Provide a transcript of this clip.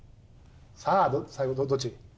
さあ最後どっち？